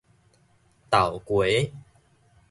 豆膎